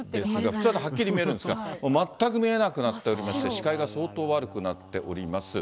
普通ははっきり見えるんですが、全く見えなくなっておりまして、視界が相当悪くなっております。